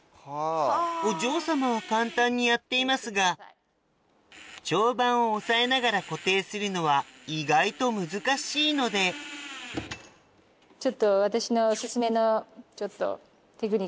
お嬢様は簡単にやっていますが蝶番を押さえながら固定するのは意外と難しいのでちょっと私の。